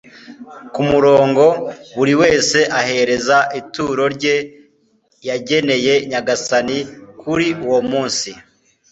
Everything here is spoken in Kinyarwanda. ku mirongo , buri wese ahereza ituro rye yageneye nyagasani kuri uwo munsi